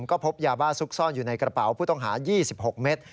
ก็พบยาบ้าซุกซ่อนอยู่ในกระเป๋าผู้ต้องหา๒๖เมตร